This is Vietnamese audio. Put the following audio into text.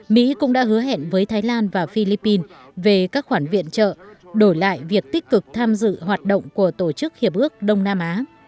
mỹ cũng đã hứa hẹn với thái lan và philippines về các khoản viện trợ đổi lại việc tích cực tham dự hoạt động của tổ chức hiệp ước đông nam á